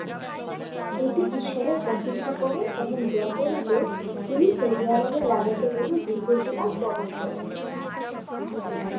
এইটি ঈশ্বরের প্রশংসা করে এবং দোয়া করে যে, তিনি সৌদি আরবের রাজাকে যেন দীর্ঘ জীবন প্রদান করেন।